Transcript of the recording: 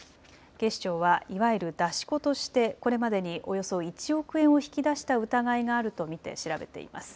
警視庁はいわゆる出し子としてこれまでにおよそ１億円を引き出した疑いがあると見て調べています。